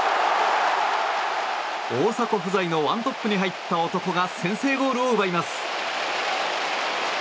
大迫不在の１トップに入った男が先制ゴールを奪います。